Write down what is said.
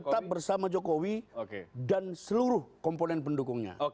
tetap bersama jokowi dan seluruh komponen pendukungnya